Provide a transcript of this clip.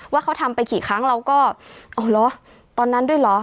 ว่าเขาทำไปกี่ครั้งเราก็เอาเหรอตอนนั้นด้วยเหรอ